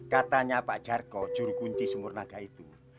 katanya pak jarko juru kunci sumurnaga itu